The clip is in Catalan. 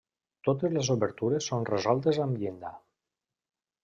Totes les obertures són resoltes amb llinda.